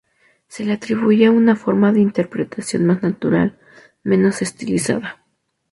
Se le atribuía una forma de interpretación más natural, menos estilizada.